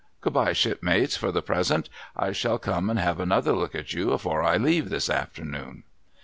Good bye, shipmates, for the present ! I shall come and have another look at you, afore I leave, this afternoon.'